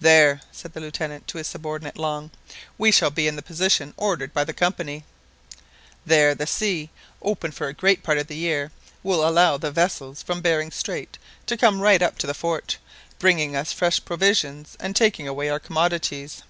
"There," said the Lieutenant to his subordinate, Long, "we shall be in the position ordered by the Company. There the sea, open for a great part of the year, will allow the vessels from Behring Strait to come right up to the fort, bringing us fresh provisions and taking away our commodities."